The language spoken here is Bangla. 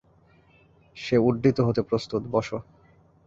সে উড্ডিত হতে প্রস্তুত, বস।